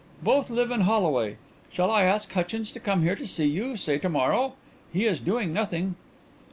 "Both live in Holloway. Shall I ask Hutchins to come here to see you say to morrow? He is doing nothing."